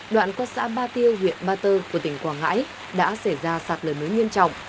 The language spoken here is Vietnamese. đoạn qua xã ba tiêu huyện ba tơ của tỉnh quảng ngãi đã xảy ra sạt lở mới nghiêm trọng